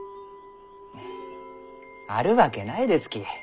フッあるわけないですき。